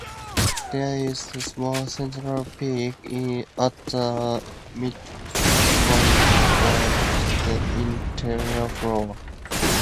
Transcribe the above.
There is a small central peak at the midpoint of the interior floor.